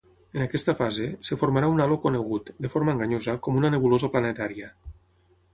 En aquesta fase, es formarà un halo conegut, de forma enganyosa, com una nebulosa planetària.